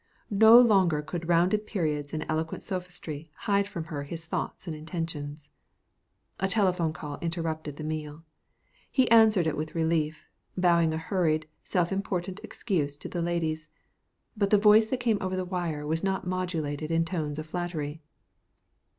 No longer could rounded periods and eloquent sophistry hide from her his thoughts and intentions. A telephone call interrupted the meal. He answered it with relief, bowing a hurried, self important excuse to the ladies. But the voice that came over the wire was not modulated in tones of flattery.